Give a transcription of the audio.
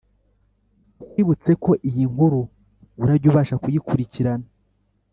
tukwibutseko iyi nkuru urajya ubasha kuyikurikirana